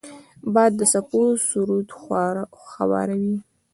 باد د څپو سرود خواره وي